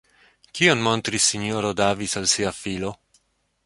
Kion montris S-ro Davis al sia filo?